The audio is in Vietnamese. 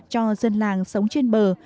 cho dân làng sống trên bờ